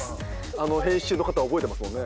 あの編集の方覚えてますもんね。